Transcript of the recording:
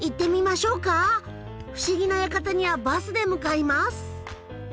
不思議な館にはバスで向かいます。